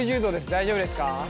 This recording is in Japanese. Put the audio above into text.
大丈夫ですか？